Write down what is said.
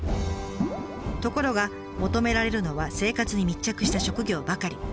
ところが求められるのは生活に密着した職業ばかり。